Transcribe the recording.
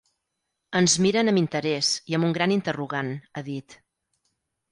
Ens miren amb interès i amb un gran interrogant, ha dit.